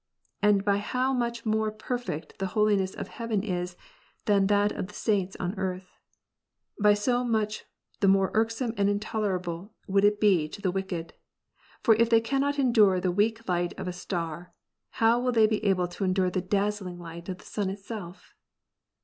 And by how much more perfect the holiness of heaven is than that of the saints on earth, by so much the more irksome and intolerable would it be to wicked men, for if they cannot endure the weak light of a star, how will they be able to endure the dazzling light of the sun itself?"